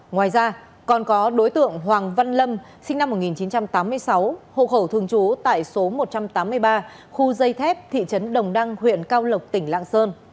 ngoài ra còn có đối tượng hoàng văn lâm sinh năm một nghìn chín trăm tám mươi sáu hộ khẩu thường trú tại số một trăm tám mươi ba khu dây thép thị trấn đồng đăng huyện cao lộc tỉnh lạng sơn